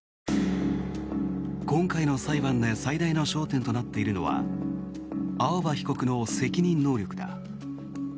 今回の裁判で最大の焦点となっているのは青葉被告の責任能力だ。